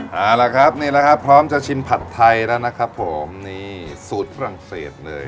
เอาละครับนี่แหละครับพร้อมจะชิมผัดไทยแล้วนะครับผมนี่สูตรฝรั่งเศสเลย